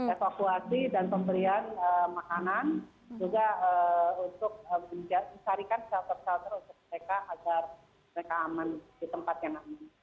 evakuasi dan pemberian makanan juga untuk mencarikan shelter shelter untuk mereka agar mereka aman di tempat yang aman